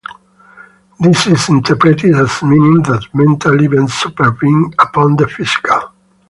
This is interpreted as meaning that mental events supervene upon the physical.